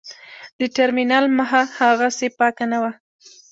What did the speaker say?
د ټرمینل مخه هاغسې پاکه نه وه.